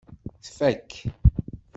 Tfak.